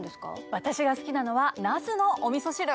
私が好きなのはなすのおみそ汁。